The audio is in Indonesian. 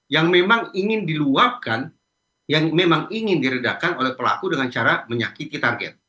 yang memang ingin diluapkan yang memang ingin diredakan oleh pelaku dengan cara menyakiti target